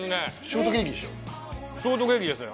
ショートケーキですね